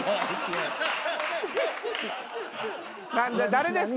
誰ですか？